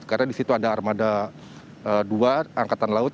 karena di situ ada armada dua angkatan laut